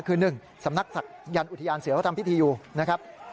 คือ๑สำนักศักยันต์อุทยานเสือเขาทำพิธีอยู่นะครับ